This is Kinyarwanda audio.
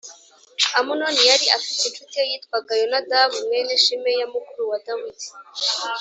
Amunoni yari afite incuti ye yitwaga Yonadabu mwene Shimeya mukuru wa Dawidi